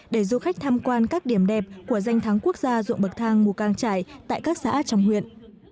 để du khách tham quan các điểm đẹp của danh thắng quốc gia dụng bậc thang mù căng trải tại các xã trong huyện